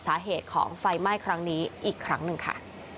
สาเหตุของไฟไหม้อีกครั้งนึงค่ะ